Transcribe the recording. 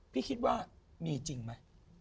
พี่คิดว่ามีจริงไหม